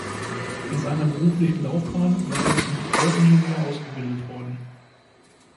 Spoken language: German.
In seiner beruflichen Laufbahn war er zum Bauingenieur ausgebildet worden.